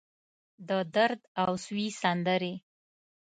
د درد اوسوي سندرې